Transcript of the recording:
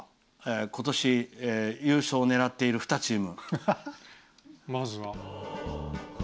今年、優勝を狙っている２チーム。